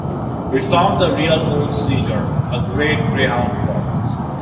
We found the real old Caesar, a great greyhound fox.